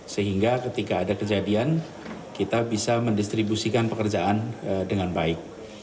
sehingga ketika ada kejadian kita bisa mendistribusikan pekerjaan dengan baik